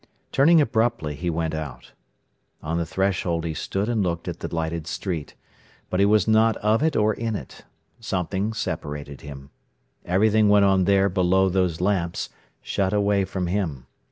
Turning abruptly, he went out. On the threshold he stood and looked at the lighted street. But he was not of it or in it. Something separated him. Everything went on there below those lamps, shut away from him.